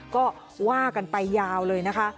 ก็ว่ากันไปยาวเลยนะคะ